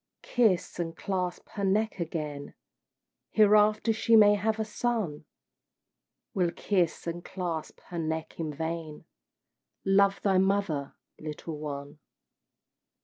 Kiss and clasp her neck again, Hereafter she may have a son Will kiss and clasp her neck in vain. Love thy mother, little one!